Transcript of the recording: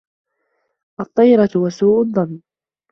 الطِّيَرَةُ وَسُوءُ الظَّنِّ